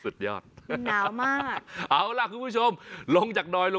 สุดยอดน้ำมันเครื่องจากญี่ปุ่น